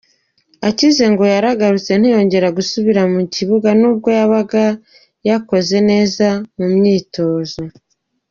Akize ngo yaragarutse ntiyongera gusubira mu kibuga, nubwo yabaga yakoze neza mu myitozo.